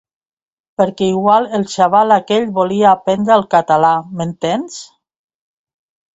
Perquè igual el xaval aquell volia aprendre el català, m'entens?